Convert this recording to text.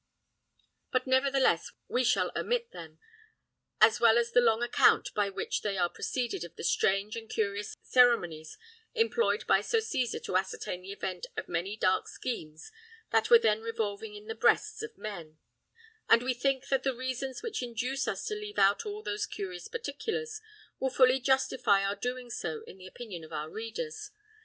But nevertheless we shall omit them, as well as the long account by which they are preceded of the strange and curious ceremonies employed by Sir Cesar to ascertain the event of many dark schemes that were then revolving in the breasts of men; and we think that the reasons which induce us to leave out all those curious particulars, will fully justify our so doing in the opinion of our readers.